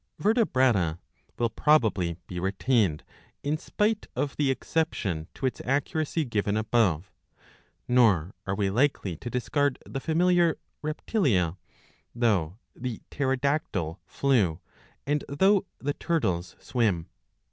"Vertebrata " will probably be retained in spite of the exception to its accuracy given above ; nor are we likely to discard the familiar " Reptilia," though the Pterodactyle flew and though the Turtles swim.